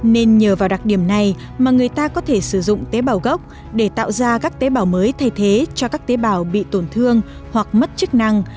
nên nhờ vào đặc điểm này mà người ta có thể sử dụng tế bào gốc để tạo ra các tế bào mới thay thế cho các tế bào bị tổn thương hoặc mất chức năng